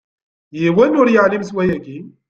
Yiwen ur iɛellem s wayagi!